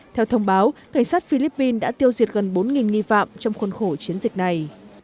theo thông báo cảnh sát philippines đã tiêu diệt gần bốn nghi phạm trong khuôn khổ chiến dịch này